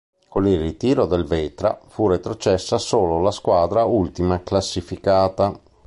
Con il ritiro del Vetra fu retrocessa solo la squadra ultima classificata.